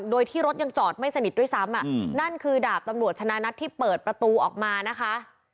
โดยที่รถยังจอดไม่สนิทด้วยซ้ำนั่นคือดาบตำรวจชนะนัทที่เปิดประตูออกมานะคะ